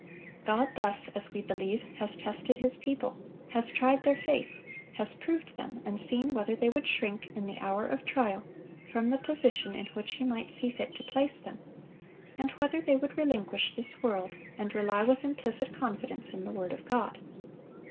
God thus, as we believe, has tested His people, has tried their faith, has proved them, and seen whether they would shrink, in the hour of trial, from the position in which He might see fit to place them; and whether they would relinquish this world and rely with implicit confidence in the word of God."